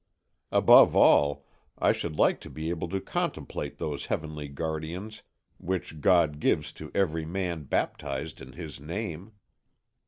Above all, I should like to be able to contemplate those heavenly guardians which God gives to every man baptized in His name.